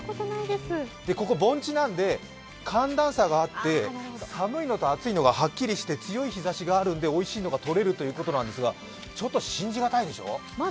ここ盆地なんで、寒暖差があって、寒いのと暑いのがはっきりして強い日ざしがあるので、おいしいのがとれるということですが、信じがたいでしょう？